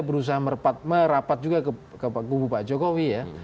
berusaha merapat juga ke kubu pak jokowi ya